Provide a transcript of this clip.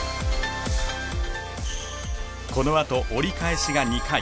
このあと折り返しが２回。